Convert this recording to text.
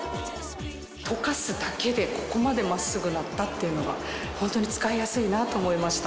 とかすだけでここまで真っすぐになったっていうのがホントに使いやすいなと思いました。